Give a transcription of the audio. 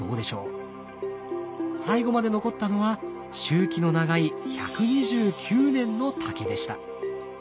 最後まで残ったのは周期の長い１２９年の竹でした。